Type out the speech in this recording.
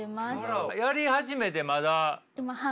やり始めてまだ？